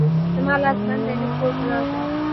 زما لاس بند دی؛ لږ پور راکړه.